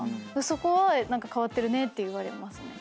そこは「変わってるね」って言われますね。